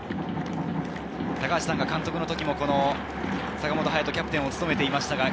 高橋さんが監督の時も、坂本勇人はキャプテンを務めていました。